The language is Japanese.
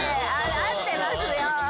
合ってますよ。